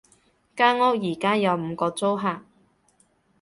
間屋而家有五個租客